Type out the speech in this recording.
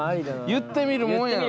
言ってみるもんやな。